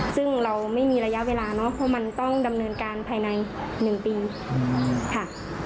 ซึ่งเราไม่มีระยะเวลาเนอะเพราะมันต้องดำเนินการภายใน๑ปีค่ะ